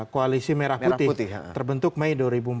koalisi merah putih terbentuk mei dua ribu empat belas